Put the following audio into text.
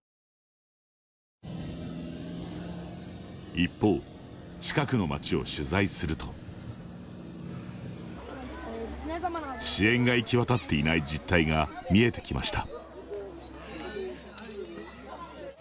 一方、近くの街を取材すると支援が行き渡っていない実態が見えてきました。